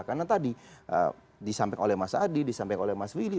karena tadi disampaikan oleh mas adi disampaikan oleh mas willy